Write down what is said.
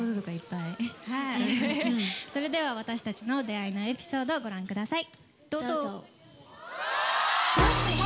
それでは私たちの出会いのエピソードご覧ください。